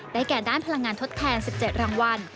แก่ด้านพลังงานทดแทน๑๗รางวัล